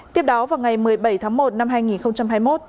tiếp đó vào ngày một mươi bảy tháng một năm hai nghìn hai mươi một